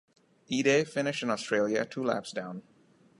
Ide finished in Australia, two laps down.